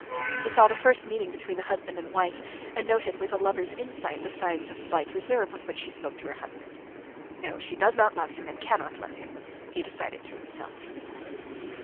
He saw the first meeting between the husband and wife, and noted with a lover's insight the signs of slight reserve with which she spoke to her husband. "No, she does not love him and cannot love him," he decided to himself.